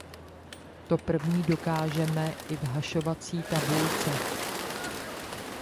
To první dokážeme i v hašovací tabulce.